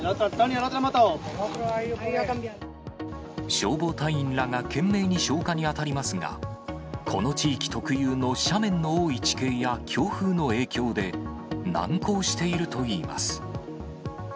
消防隊員らが懸命に消火に当たりますが、この地域特有の斜面の多い地形や強風の影響で、難航しているといいます。